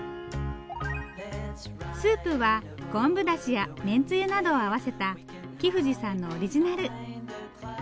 スープは昆布だしやめんつゆなどを合わせた木藤さんのオリジナル。